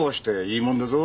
いいもんだぞ。